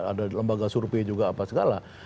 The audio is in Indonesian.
ada lembaga survei juga apa segala